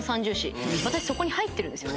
私そこに入ってるんですよね。